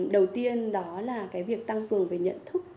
đầu tiên đó là cái việc tăng cường về nhận thức